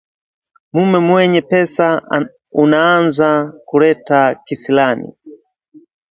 mume mwenye pesa unaanza kuleta kisirani